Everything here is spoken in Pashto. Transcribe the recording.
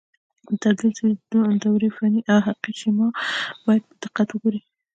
د تبدیل سویچ دورې فني او حقیقي شیما باید په دقت وګورئ.